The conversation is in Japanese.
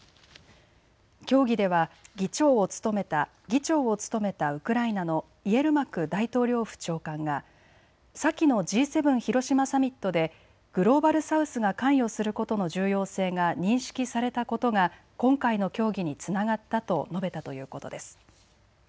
協議では議長を務めたウクライナのイエルマク大統領府長官が先のＧ７広島サミットでグローバル・サウスが関与することの重要性が認識されたことが今回の協議につながったと述べたということです。